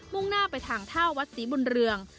มุ่งหน้าไปทางท่าวัดสิบนเรือง